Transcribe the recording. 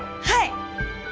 はい！